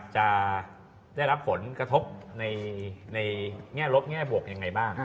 จะได้รับผลกระทบในแง่ลบแง่บวกยังไงบ้าง